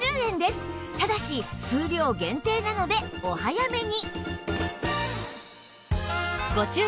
ただし数量限定なのでお早めに！